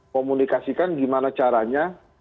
komunikasikan gimana caranya